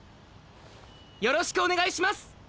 よろしくお願いします！